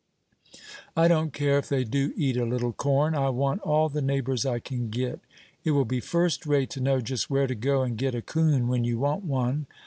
"I don't care if they do eat a little corn; I want all the neighbors I can get. It will be first rate to know just where to go and get a coon when you want one.